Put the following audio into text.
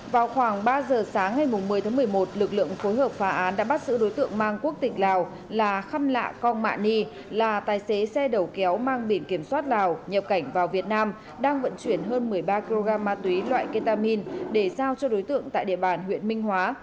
vào khoảng ba giờ sáng ngày một mươi tháng một mươi một lực lượng phối hợp phá án đã bắt giữ đối tượng mang quốc tịch lào là khăm lạ co mạ ni là tài xế xe đầu kéo mang biển kiểm soát lào nhập cảnh vào việt nam đang vận chuyển hơn một mươi ba kg ma túy loại ketamin để giao cho đối tượng tại địa bàn huyện minh hóa